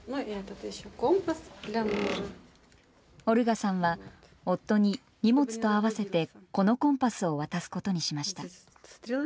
オルガさんは夫に荷物と合わせてこのコンパスを渡すことにしました。